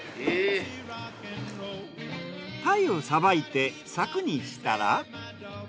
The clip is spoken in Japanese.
タイをさばいてさくにしたら。